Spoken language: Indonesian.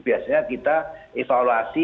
biasanya kita evaluasi